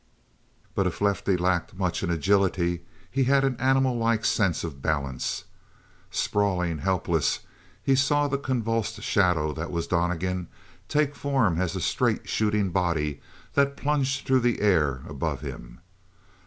But if Lefty lacked much in agility, he had an animallike sense of balance. Sprawling, helpless, he saw the convulsed shadow that was Donnegan take form as a straight shooting body that plunged through the air above him.